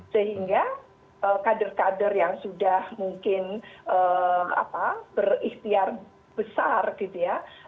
sehingga kader kader yang sudah mungkin berikhtiar besar gitu ya